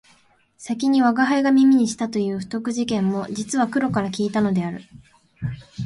先に吾輩が耳にしたという不徳事件も実は黒から聞いたのである